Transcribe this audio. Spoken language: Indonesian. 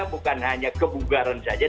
bukan hanya kebugaran saja